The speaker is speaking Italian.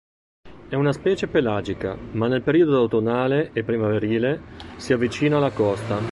È una specie pelagica, ma nel periodo autunnale e primaverile si avvicina alla costa.